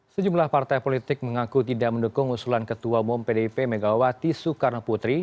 sejumlah partai politik mengaku tidak mendukung usulan ketua umum pdip megawati soekarno putri